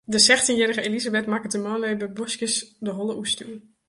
De sechstjinjierrige Elisabeth makket de manlju by boskjes de holle oerstjoer.